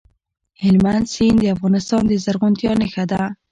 هلمند سیند د افغانستان د زرغونتیا نښه ده.